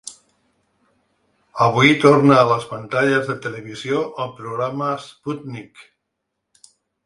Avui torna a les pantalles de televisió el programa ‘Sputnik’.